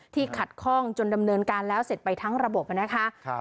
ขัดข้องจนดำเนินการแล้วเสร็จไปทั้งระบบนะคะ